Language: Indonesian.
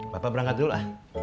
bapak berangkat dulu lah